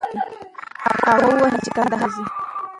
هغه وویل چې کندهار ته ځي.